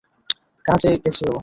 কাজে গেছে ও।